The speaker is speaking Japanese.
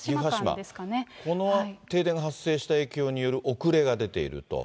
この停電が発生した影響による遅れが出ていると。